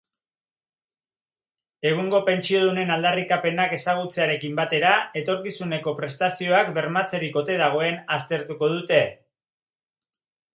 Egungo pentsiodunen aldarrikapenak ezagutzearekin batera, etorkizuneko prestazioak bermatzerik ote dagoen aztertuko dute.